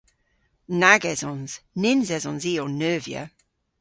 Nag esons. Nyns esons i ow neuvya.